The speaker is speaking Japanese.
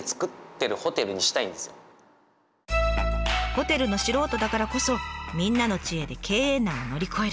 ホテルの素人だからこそみんなの知恵で経営難を乗り越える。